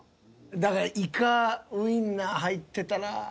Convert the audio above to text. だからイカウインナー入ってたら。